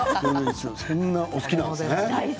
そんなお好きなんですね。